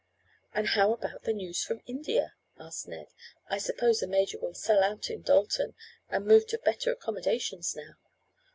"And how about the news from India?" asked Ned. "I suppose the major will sell out in Dalton and move to better accommodations now.